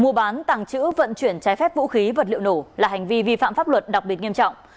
mua bán tàng trữ vận chuyển trái phép vũ khí vật liệu nổ là hành vi vi phạm pháp luật đặc biệt nghiêm trọng